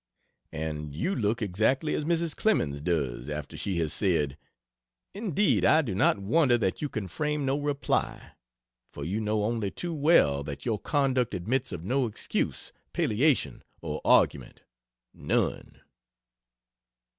And you look exactly as Mrs. Clemens does after she has said, "Indeed I do not wonder that you can frame no reply: for you know only too well, that your conduct admits of no excuse, palliation or argument none!"